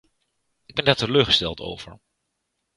Ik ben daar teleurgesteld over.